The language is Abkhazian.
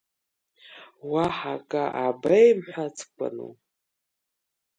Уаҳа акы аабеимҳәацкәану?